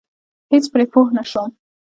هېڅ پرې پوه نشوم.